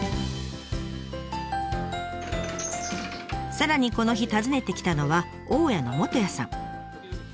さらにこの日訪ねてきたのは大家の元屋さん。